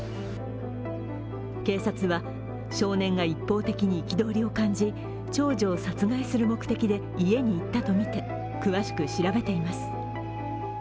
警察は、少年が一方的に憤りを感じ長女を殺害する目的で家に行ったとみて詳しく調べています。